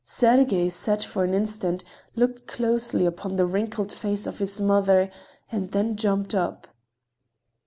Sergey sat for an instant, looked closely upon the wrinkled face of his mother and then jumped up.